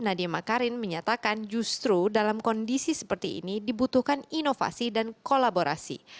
nadiem akarin menyatakan justru dalam kondisi seperti ini dibutuhkan inovasi dan kolaborasi